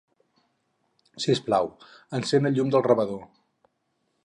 Si us plau, encén el llum del rebedor.